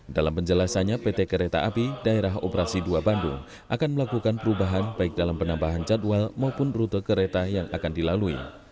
dalam penjelasannya pt kereta api daerah operasi dua bandung akan melakukan perubahan baik dalam penambahan jadwal maupun rute kereta yang akan dilalui